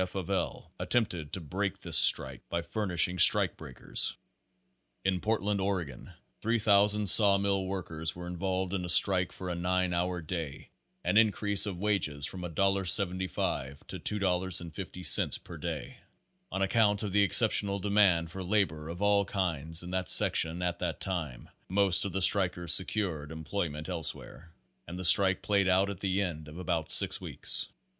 F. of L., attempted to break this strike by furnishing strike breakers. In Portland, Oregon, 3,000 saw mill workers were involved in a strike for a nine hour day and increase of wages from $1.75 to $2.50 per day. On account of the exceptional demand for labor of all kinds in that sec tion at that time, most of the strikers secured employ ment elsewhere, and the strike played out at the end of about six weeks.